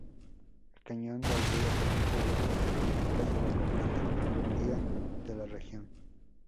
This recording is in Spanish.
El cañón del río permite vistas magníficas de la compleja geología de la región.